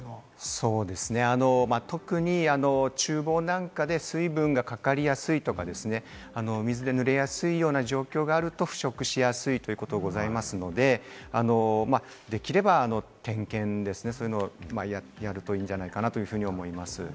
そうですね、特に厨房なんかで水分がかかりやすいとか、水で濡れやすいような状況があると腐食しやすい状況がございますので、できれば点検、そういうのをやるといいんじゃないかなと思います。